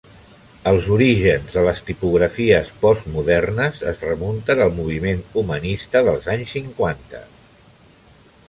Els orígens de les tipografies postmodernes es remunten al moviment humanista dels anys cinquanta.